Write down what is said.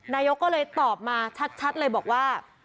นายกก็เลยตอบมาชัดเลยบอกว่า